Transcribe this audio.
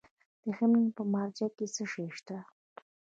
د هلمند په مارجه کې څه شی شته؟